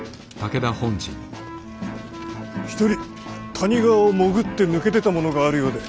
一人谷川を潜って抜け出た者があるようで。